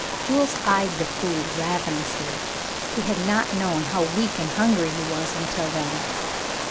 Jules eyed the food ravenously. He had not known how weak and hungry he was until then.